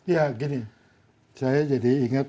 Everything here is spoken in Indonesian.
ya gini saya jadi ingat